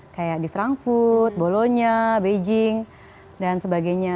kayak di frankfurt bolonya beijing dan sebagainya